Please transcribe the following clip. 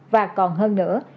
và còn hơn nữa